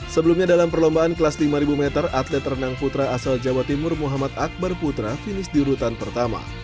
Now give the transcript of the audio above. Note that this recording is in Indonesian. sebelumnya dalam perlombaan kelas lima ribu meter atlet renang putra asal jawa timur muhammad akbar putra finish di urutan pertama